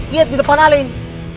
liat di depan ala ini